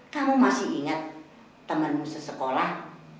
kamu masih ingat temenmu sesekolah